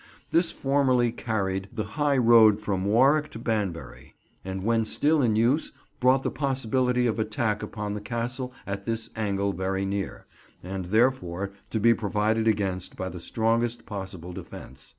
This formerly carried the high road from Warwick to Banbury, and when still in use brought the possibility of attack upon the Castle at this angle very near, and therefore to be provided against by the strongest possible defence.